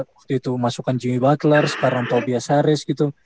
waktu itu masukkan jimmy butler sekarang tobias harris gitu